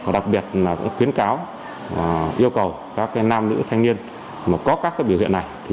đặc biệt là khuyến cáo yêu cầu các nam nữ thanh niên mà có các biểu hiện này